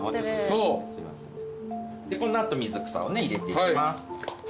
でこの後水草をね入れていきます。